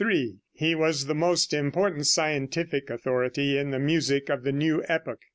He was the most important scientific authority in the music of the new epoch.